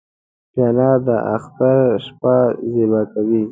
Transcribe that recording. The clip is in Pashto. پیاله د اختر شپه زیبا کوي.